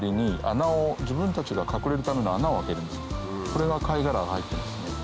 これは貝殻が入ってますね。